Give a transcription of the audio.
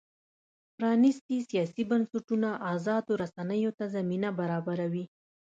پرانیستي سیاسي بنسټونه ازادو رسنیو ته زمینه برابروي.